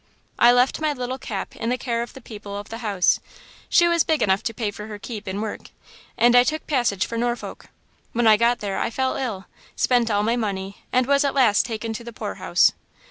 "I left my little Cap in the care of the people of the house–she was big enough to pay for her keep in work–and I took passage for Norfolk. When I got there I fell ill, spent all my money, and was at last taken to the poor house.